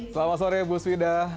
selamat sore bu swida